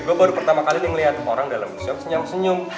gue baru pertama kali nih ngeliat orang dalam senyum senyum